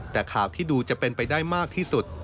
แต่ข่าวที่ดูจะเป็นไปได้มากที่สุด